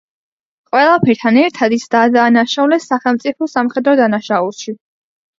ყველაფერთან ერთად ის დაადანაშაულეს სახელმწიფო სამხედრო დანაშაულში.